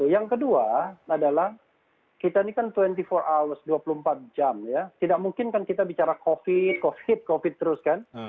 yang kedua adalah kita ini kan dua puluh empat jam tidak mungkin kan kita bicara covid sembilan belas terus kan